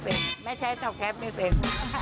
เพราะว่าแม่ใช้ต่อแคปไม่เป็น